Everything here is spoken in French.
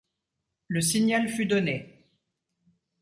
Le signal fut donné.